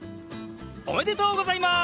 おめでとうございます！